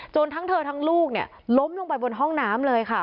ทั้งเธอทั้งลูกเนี่ยล้มลงไปบนห้องน้ำเลยค่ะ